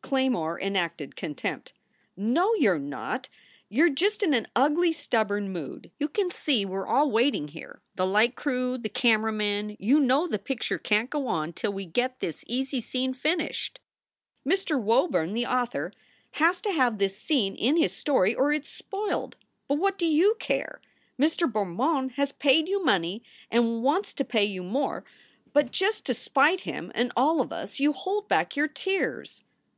Claymore enacted contempt. "No, you re not! You re just in an ugly, stubborn mood. You can see that we re all waiting here, the light crew, the camera men. You know the picture can t go on till we get this easy scene finished. Mr. Woburn [the author] has to have this scene in his story or it s spoiled. But what do you care? Mr. Bermond has paid you money and wants to pay you more, but just to spite him and all of us you hold back your tears."